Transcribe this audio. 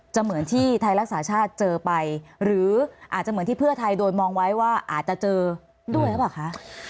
เหมือนที่ไทยรักษาชาติเจอไปหรืออาจจะเหมือนที่เพื่อไทยโดนมองไว้ว่าอาจจะเจอด้วยหรือเปล่าคะ